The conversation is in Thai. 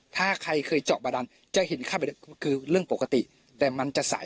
ถ้าใครเคยเจาะบาดันจะเห็นเข้าไปคือเรื่องปกติแต่มันจะใส